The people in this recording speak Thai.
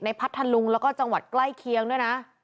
พัทธลุงแล้วก็จังหวัดใกล้เคียงด้วยนะ